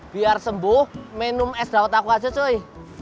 biar sembuh minum es dawet aku aja coy